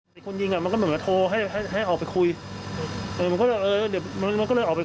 มันก็ไม่งั้นจะให้ออกไปทำไม